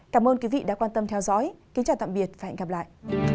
cảm ơn quý vị đã quan tâm theo dõi kính chào tạm biệt và hẹn gặp lại